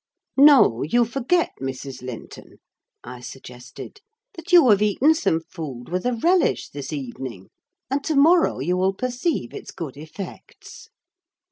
"No, you forget, Mrs. Linton," I suggested, "that you have eaten some food with a relish this evening, and to morrow you will perceive its good effects."